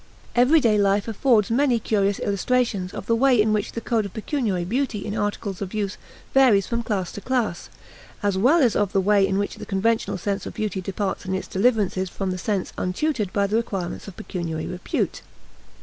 Everyday life affords many curious illustrations of the way in which the code of pecuniary beauty in articles of use varies from class to class, as well as of the way in which the conventional sense of beauty departs in its deliverances from the sense untutored by the requirements of pecuniary repute.